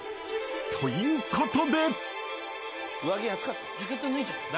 ［ということで］